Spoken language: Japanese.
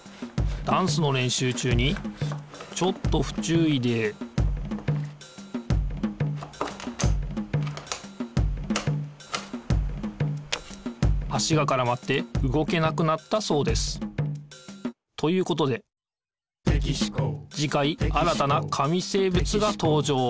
ダンスのれんしゅう中にちょっとふちゅういで足がからまって動けなくなったそうです。ということでじかい新たな紙生物がとうじょう。